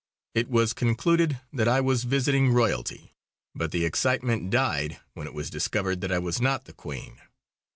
It was concluded that I was visiting royalty, but the excitement died when it was discovered that I was not the Queen.